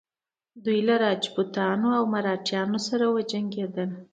دوی له راجپوتانو او مراتیانو سره وجنګیدل.